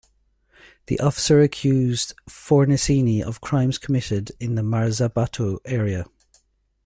The officer accused Fornasini of crimes committed in the Marzabotto area.